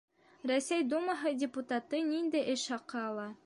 Рәсәй думаһы депутаты ниндәй эш хаҡы ала?